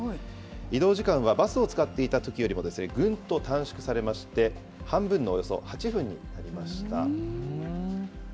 移動時間はバスを使っていたときよりも、ぐんと短縮されまして、半分のおよそ８分になりました。